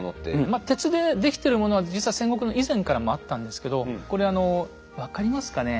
まあ鉄で出来てるものは実は戦国の以前からもあったんですけどこれはあの分かりますかね。